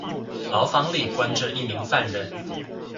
牢房裡關著一名犯人